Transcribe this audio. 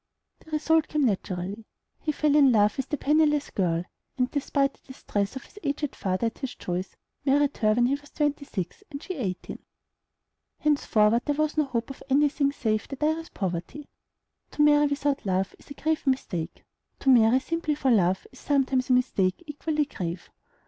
The result came naturally; he fell in love with the penniless girl, and, despite the distress of his aged father at his choice, married her when he was twenty six and she eighteen. Henceforward there was no hope of any thing save the direst poverty. To marry without love is a grave mistake; to marry simply for love is sometimes a mistake equally grave.